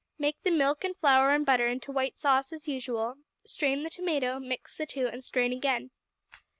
Make the milk and flour and butter into white sauce as usual; strain the tomato, mix the two, and strain again.